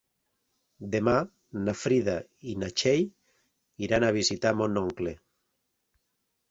Demà na Frida i na Txell iran a visitar mon oncle.